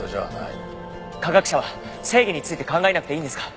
科学者は正義について考えなくていいんですか？